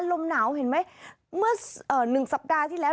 ลมหนาวเห็นไหมเมื่อ๑สัปดาห์ที่แล้ว